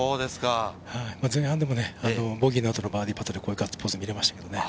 前半でもボギーの後のバーディーパットでこのガッツポーズが見られました。